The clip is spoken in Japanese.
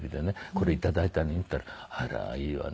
「これ頂いたのよ」って言ったら「あらいいわね」